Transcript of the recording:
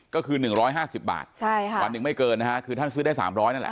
ก็คือหนึ่งร้อยห้าสิบบาทใช่ค่ะวันหนึ่งไม่เกินนะฮะคือท่านซื้อได้สามร้อยนั่นแหละ